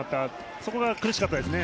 そこが苦しかったですね。